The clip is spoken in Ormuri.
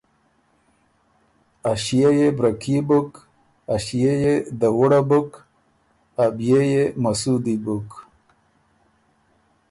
ا ݭيې يې بره کي بُک، ا ݭيې يې دَوُړه بُک، ا بيې يې مسُودی بُک،